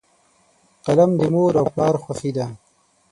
قلم د مور او پلار خوښي ده.